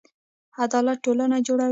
عدالت ټولنه جوړوي